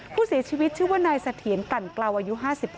ผู้เสียชีวิตชื่อว่านายเสถียรกลั่นเกลาอายุ๕๖